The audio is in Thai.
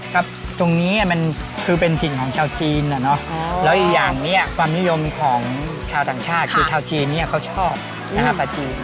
ตรงนี้มันคือเป็นถิ่นของชาวจีนอะเนาะแล้วอีกอย่างเนี่ยความนิยมของชาวต่างชาติคือชาวจีนเนี่ยเขาชอบปลาจีน